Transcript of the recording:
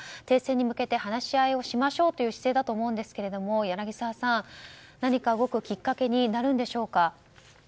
停戦に向けて話し合いをしましょうという姿勢だと思うんですけれども、柳澤さん何か動くきっかけになるんでしょうか。